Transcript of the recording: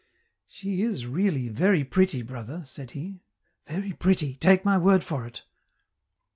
"She is really very pretty, brother," said he; "very pretty, take my word for it!"